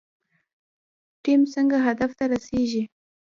ټیم څنګه هدف ته رسیږي؟